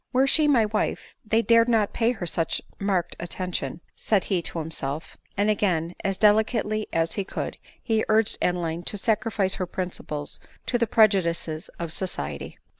" Were she my wife, they dared not pay her such marked attention," said be to himself; and again, as delicately as he could, he urged Adeline to sacrifice her principles to the pre judices of society.